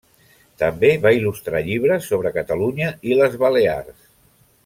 També va il·lustrar llibres sobre Catalunya i les Balears.